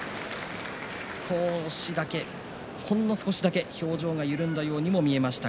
ほんの少しだけ表情が緩んだように見えました。